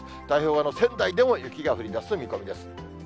太平洋側の仙台でも、雪が降りだす見込みです。